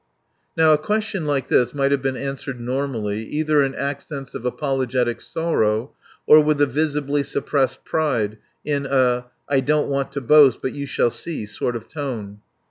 Now a question like this might have been answered normally, either in accents of apologetic sorrow or with a visibly suppressed pride, in a "I don't want to boast, but you shall see," sort of tone.